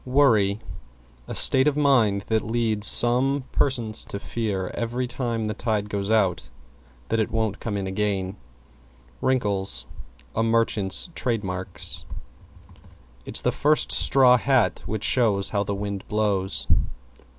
=WORRY= A state of mind that leads some persons to fear, every time the tide goes out, that it won't come in again. =WRINKLES= A merchant's trade marks. It's the first straw hat which shows how the wind blows.